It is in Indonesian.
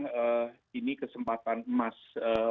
menurut saya memang ini kesempatan emas